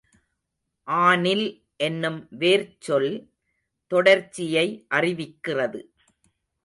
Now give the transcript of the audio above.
ஆநில் என்னும் வேர்ச்சொல் தொடர்ச்சியை அறிவிக்கிறது.